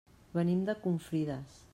Venim de Confrides.